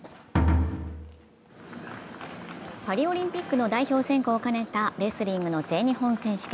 パリオリンピックの代表選考を兼ねたレスリングの全日本選手権。